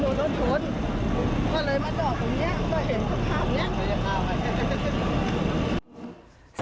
ก็เลยจอดตรงนี้เห็นภาพนี่